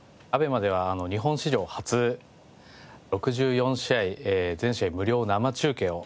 ＡＢＥＭＡでは日本史上初６４試合全試合無料生中継をさせて頂きます。